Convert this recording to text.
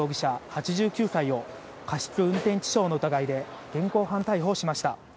８９歳を、過失運転致傷の疑いで現行犯逮捕しました。